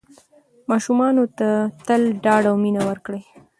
ماشومانو ته تل ډاډ او مینه ورکړئ.